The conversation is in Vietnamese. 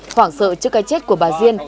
khoảng sợ trước cái chết của bà diên